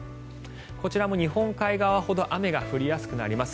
こちらも日本海側ほど雨が降りやすくなります。